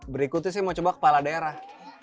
berikutnya saya mau coba kepala daerah